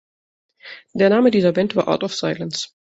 Der Name dieser Band war "Art of Silence".